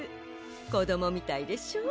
こどもみたいでしょ？